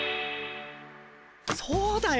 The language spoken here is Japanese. そうだよ。